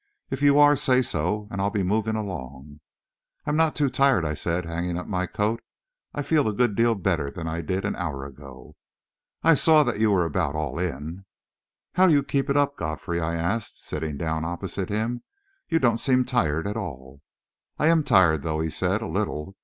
If you are, say so, and I'll be moving along." "I'm not too tired," I said, hanging up my coat. "I feel a good deal better than I did an hour ago." "I saw that you were about all in." "How do you keep it up, Godfrey?" I asked, sitting down opposite him. "You don't seem tired at all." "I am tired, though," he said, "a little.